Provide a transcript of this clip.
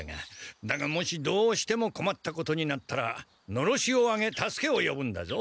だがもしどうしてもこまったことになったら狼煙を上げ助けをよぶんだぞ。